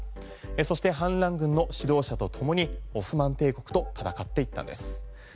そして反乱軍の指導者とともにオスマン帝国と戦っていったんです。